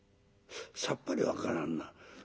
「さっぱり分からんな。